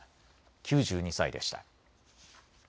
９２歳でした。